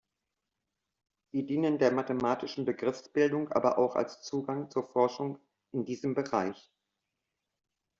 Sie dienen der mathematischen Begriffsbildung aber auch als Zugang zur Forschung in diesem Bereich.